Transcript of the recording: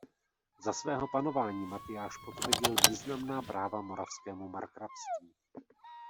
Za svého panování Matyáš potvrdil významná práva Moravskému markrabství.